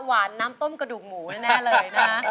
น้ำต้มกระดูกหมูแน่เลยนะ